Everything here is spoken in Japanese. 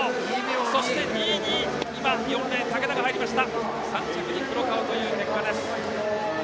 そして２位に４レーン、竹田が入り３着に黒川という結果です。